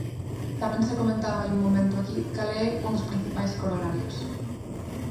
Tamén se comentaba hai un momento aquí cal é un dos principais corolarios.